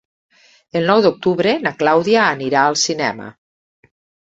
El nou d'octubre na Clàudia anirà al cinema.